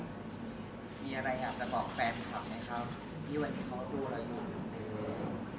มีอะไรอยากจะบอกแฟนคลับไหมครับที่วันนี้เขาดูอะไรอยู่